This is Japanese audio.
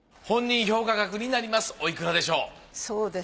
本人評価額になりますおいくらでしょう？